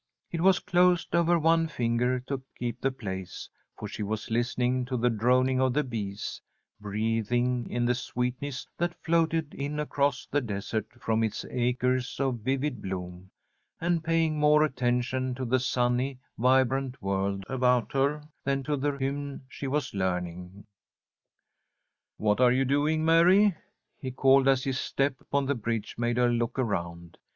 It was closed over one finger to keep the place, for she was listening to the droning of the bees, breathing in the sweetness that floated in across the desert from its acres of vivid bloom, and paying more attention to the sunny, vibrant world about her than to the hymn she was learning. "What are you doing, Mary?" he called, as his step on the bridge made her look around.